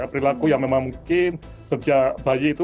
perilaku yang memang mungkin sejak bayi itu